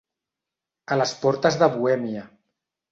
A les portes de Bohèmia.